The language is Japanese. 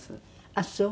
あっそう。